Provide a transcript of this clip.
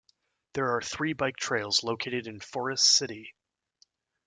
There are three bike trails located in Forest City.